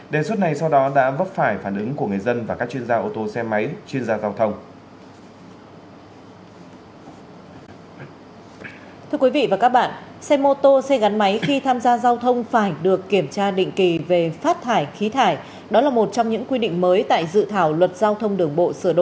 đề xuất này sau đó đã vấp phải phản ứng của người dân và các chuyên gia ô tô xe máy chuyên gia giao thông